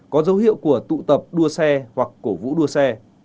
có dấu hiệu của tụ tập đua xe hoặc cổ vũ đua xe